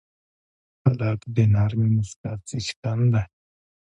هلک د نرمې موسکا څښتن دی.